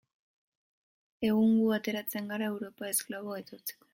Egun gu ateratzen gara Europara esklabo etortzeko.